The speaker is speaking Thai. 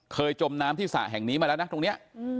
จมน้ำที่สระแห่งนี้มาแล้วนะตรงนี้